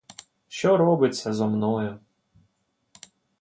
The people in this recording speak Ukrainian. Що робиться зо мною?